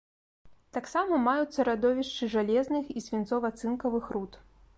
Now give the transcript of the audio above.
Таксама маюцца радовішчы жалезных і свінцова-цынкавых руд.